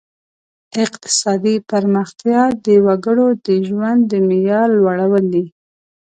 اقتصادي پرمختیا د وګړو د ژوند د معیار لوړول دي.